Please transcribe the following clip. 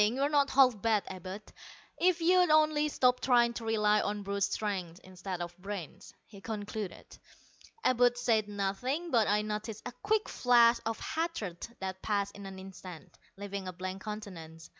You're not half bad, Abud, if you'd only stop trying to rely on brute strength instead of brains," he concluded. Abud said nothing, but I noticed a quick flash of hatred that passed in an instant, leaving a blank countenance.